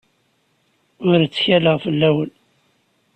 Ur ttkaleɣ fell-awen.